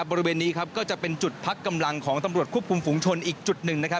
บริเวณนี้ก็จะเป็นจุดพักกำลังของตำรวจควบคุมฝุงชนอีกจุดหนึ่งนะครับ